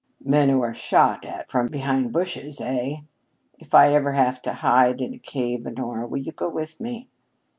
"Men who are shot at from behind bushes, eh? If I ever have to hide in a cave, Honora, will you go with me?"